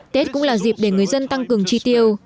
tết cũng là dịp để người dân tăng cường chi tiêu